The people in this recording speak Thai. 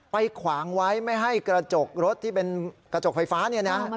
ขวางไว้ไม่ให้กระจกรถที่เป็นกระจกไฟฟ้าเนี่ยนะ